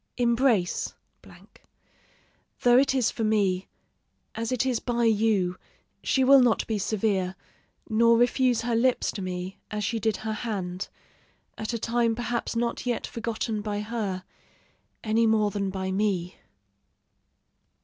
Embrace ; though it is for me, as it is by you, she will not be severe, nor refuse her lips to me as she did her hand, at a time perhaps not yet forgotten by her, any more than by me."